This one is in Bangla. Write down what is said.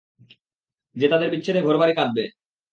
যে তাদের বিচ্ছেদে ঘরবাড়ী কাঁদবে!